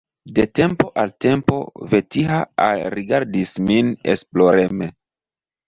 De tempo al tempo Vetiha alrigardis min esploreme.